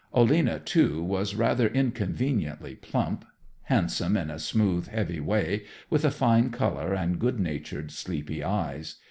Olena, too, was rather inconveniently plump, handsome in a smooth, heavy way, with a fine color and good natured, sleepy eyes.